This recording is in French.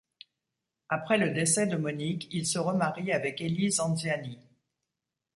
Après le décès de Monique, il se remarie avec Élise Anziani.